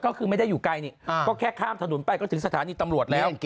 ก็คือไม่ได้อยู่ไกลนี่ก็แค่ข้ามถนนไปก็ถึงสถานีตำรวจแล้ว